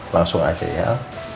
langsung aja ya